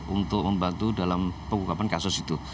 untuk membantu dalam pengungkapan kasus itu